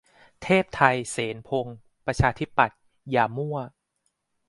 เทพไท เสนพงศ์ ประชาธิปัตย์ อย่ามั่ว